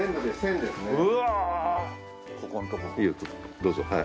どうぞはい。